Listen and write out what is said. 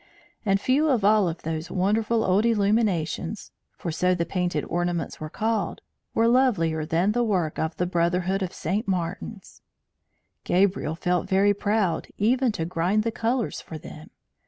And few of all those wonderful old illuminations (for so the painted ornaments were called) were lovelier than the work of the brotherhood of St. Martin's. Gabriel felt very proud even to grind the colours for them.